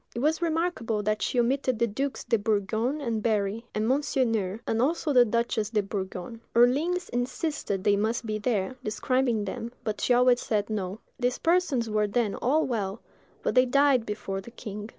It was remarkable that she omitted the dukes de Bourgogne and Berry, and Monseigneur, and also the duchess de Bourgogne. Orleans insisted they must be there, describing them; but she always said "No." These persons were then all well, but they died before the king.